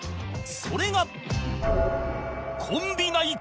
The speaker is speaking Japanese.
それが